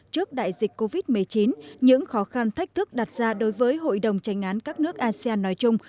trước đại dịch covid một mươi chín những khó khăn thách thức đặt ra đối với hội đồng tranh án các nước asean nói chung